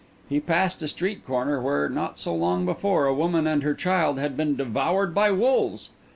He passed a street corner, where, not so long before, a woman and her child had been devoured by wolves.